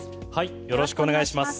よろしくお願いします。